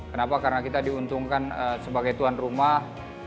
kenapa karena kita diuntungkan sebagai tuan rumah